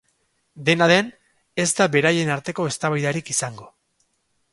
Dena den, ez da beraien arteko eztabaidarik izango.